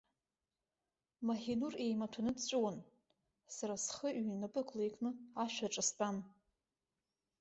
Маҳинур еимаҭәаны дҵәыуон, сара схы ҩ-напыкла икны ашә аҿы стәан.